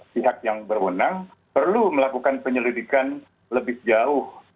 pihak yang berwenang perlu melakukan penyelidikan lebih jauh